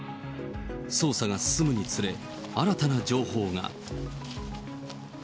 捜査が進むにつれ、新たな情報が。